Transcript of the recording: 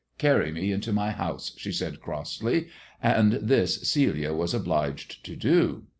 Carry me into my house," she said crossly, and this Celia was obliged to do.